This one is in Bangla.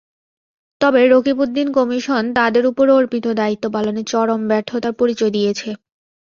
তবে রকিবউদ্দীন কমিশন তাদের ওপর অর্পিত দায়িত্ব পালনে চরম ব্যর্থতার পরিচয় দিয়েছে।